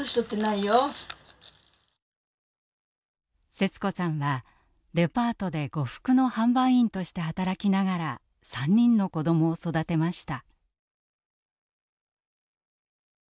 セツ子さんはデパートで呉服の販売員として働きながら３人の子どもを育てました。